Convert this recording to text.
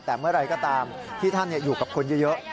แต่เมื่อไหร่ก็ตามที่ท่านอยู่กับคนเยอะ